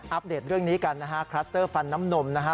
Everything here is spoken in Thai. เดตเรื่องนี้กันนะฮะคลัสเตอร์ฟันน้ำนมนะฮะ